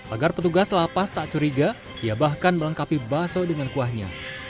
agar petugas lapas tak curiga ia bahkan melengkapi bakso dengan kuahnya